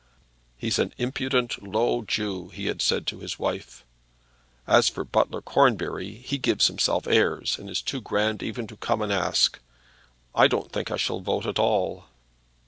"He's an impudent low Jew," he had said to his wife. "As for Butler Cornbury he gives himself airs, and is too grand even to come and ask. I don't think I shall vote at all."